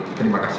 saya belum dikaji